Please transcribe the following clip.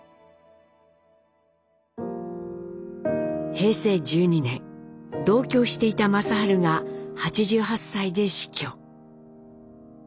平成１２年同居していた正治が８８歳で死去。